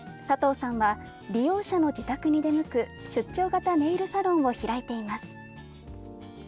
佐藤さんは利用者の自宅に出向く出張型ネイルサロンを開いています。